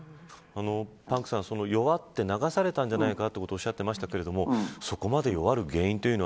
パンクさん弱って流されたんじゃないかということをおっしゃってましたけれどもそこまで弱る原因というのは。